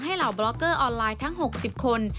เหล่าบล็อกเกอร์ออนไลน์ทั้ง๖๐คน